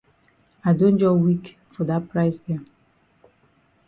I don jus weak for dat price dem.